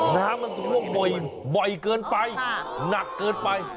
น้ำมันท่วมบ่อยเกินไปหนักเกินไป